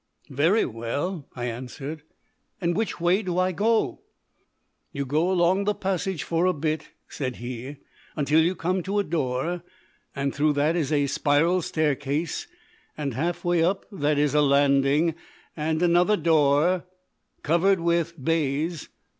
"Very well," I answered. "And which way do I go?" "You go along the passage for a bit," said he, "until you come to a door, and through that is a spiral staircase, and half way up that is a landing and another door covered with baize.